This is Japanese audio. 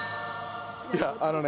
いやあのね。